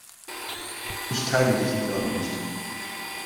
Ich teile diesen Glauben nicht.